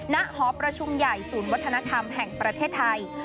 หอประชุมใหญ่ศูนย์วัฒนธรรมแห่งประเทศไทย